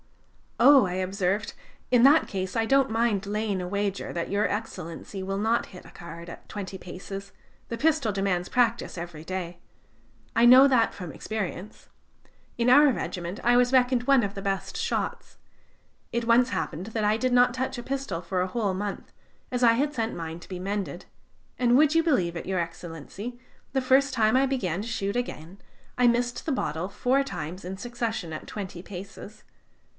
"Oh!" I observed, "in that case, I don't mind laying a wager that Your Excellency will not hit the card at twenty paces; the pistol demands practice every day. I know that from experience. In our regiment I was reckoned one of the best shots. It once happened that I did not touch a pistol for a whole month, as I had sent mine to be mended; and would you believe it, Your Excellency, the first time I began to shoot again, I missed a bottle four times in succession at twenty paces.